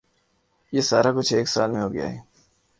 یہ سارا کچھ ایک سال میں ہو گیا ہے۔